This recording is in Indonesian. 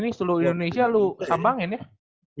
oh ini seluruh indonesia lo sambangin ya